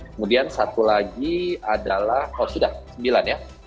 kemudian satu lagi adalah oh sudah sembilan ya